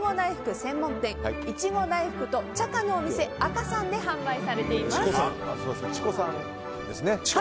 専門店いちご大福と茶菓のお店あかさんで販売されています。